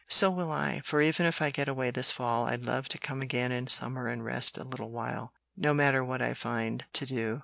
"So will I; for even if I get away this fall, I'd love to come again in summer and rest a little while, no matter what I find to do."